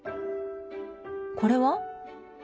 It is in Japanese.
これは？